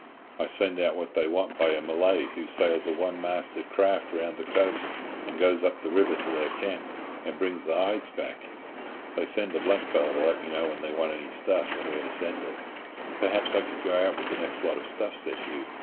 "I send out what they want by a Malay who sails a one masted craft round the coast, and goes up the river to their camp, and brings the hides back. They send a blackfellow to let me know when they want any stuff, and where to send it." "Perhaps I could go out with the next lot of stuff," said Hugh.